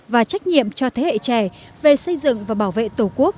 và trách nhiệm cho thế hệ trẻ về xây dựng và bảo vệ tổ quốc